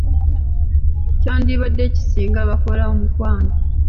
Kyandibadde ki singa bakola omukwano.